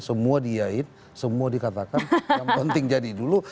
semua diain semua dikatakan yang penting jadi dulu